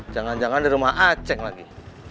jangan jangan di rumah aceh lagi